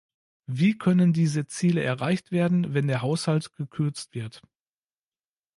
Wie können diese Ziele erreicht werden, wenn der Haushalt gekürzt wird?